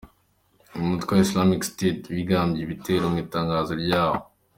Umutwe wa Islamic State wigambye ibitero mu itangazo ryawo .